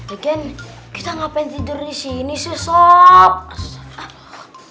egen kita ngapain tidur di sini sih sob